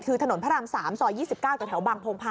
คือถนนพระราม๓ซอย๒๙จากแถวบางโพงพา